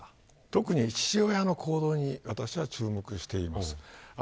特に父親の行動に注目してます。